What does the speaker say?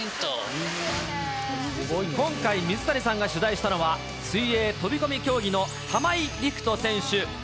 今回、水谷さんが取材したのは、水泳飛込競技の玉井陸斗選手。